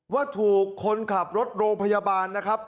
ว่าถูกคนขับรถโรงพยาบาลนะครับ